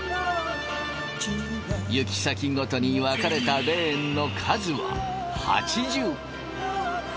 行き先ごとに分かれたレーンの数は８０。